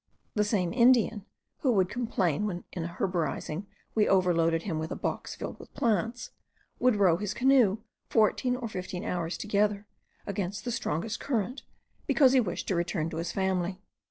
The same Indian, who would complain, when in herborizing we loaded him with a box filled with plants, would row his canoe fourteen or fifteen hours together, against the strongest current, because he wished to return to his family.